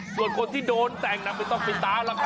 ส่วนคนที่โดนแต่งไม่ต้องปิดตาแล้วครับ